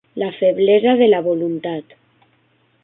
La feblesa de la voluntat.